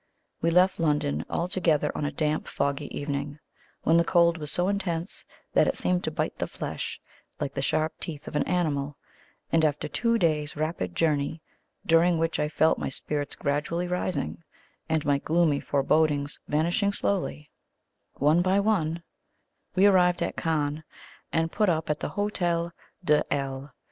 We left London all together on a damp foggy evening, when the cold was so intense that it seemed to bite the flesh like the sharp teeth of an animal, and after two days' rapid journey, during which I felt my spirits gradually rising, and my gloomy forebodings vanishing slowly one by one, we arrived at Cannes, and put up at the Hotel de L